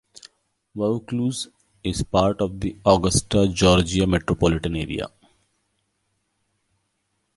Vaucluse is part of the Augusta, Georgia metropolitan area.